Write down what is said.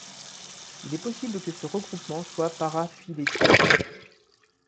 Il est possible que ce regroupement soit paraphylétique.